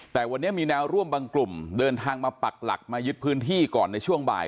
แต่วันนี้มีแนวร่วมบางกลุ่มเดินทางมาปักหลักมายึดพื้นที่ก่อนในช่วงบ่าย